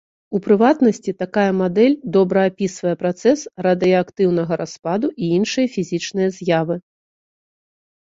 У прыватнасці, такая мадэль добра апісвае працэс радыеактыўнага распаду і іншыя фізічныя з'явы.